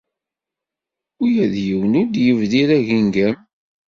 Ula d yiwen ur d-yebdir agengam.